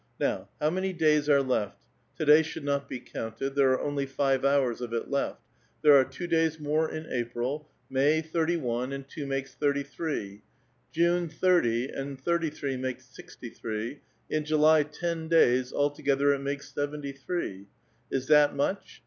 Now, how many days are left? To day should not be counted; there are only five hours of it left. There are two days more in April ; May, A VITAL QUESTION. 129 thirty one, and two make thirty three; June, thirty, and thirtj' tbree makes sixty three ; in July ten days ; altogether it xn^ikes seventy three. Is that much?